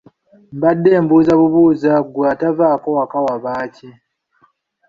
Mbadde mbuuza bubuuza nti ggwe atavaako waka wabaaki?